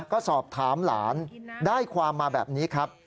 ก็สอบถามหลานได้ความมาแบบนี้ครับ